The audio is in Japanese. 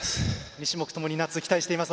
２種目ともに夏、期待しています。